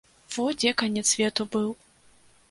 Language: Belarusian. Во дзе канец свету быў!